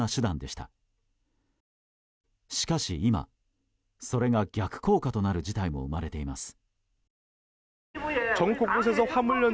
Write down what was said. しかし今、それが逆効果となる事態も生まれています。